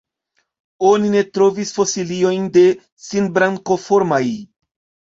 Oni ne trovis fosiliojn de Sinbrankoformaj.